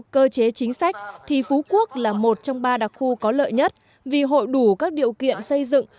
cơ chế chính sách thì phú quốc là một trong ba đặc khu có lợi nhất vì hội đủ các điều kiện xây dựng